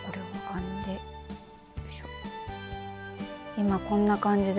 今こんな感じで。